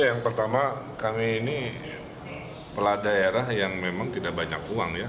ya yang pertama kami ini peladaerah yang memang tidak banyak uang ya